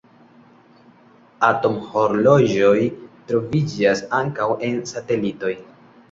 Atomhorloĝoj troviĝas ankaŭ en satelitoj.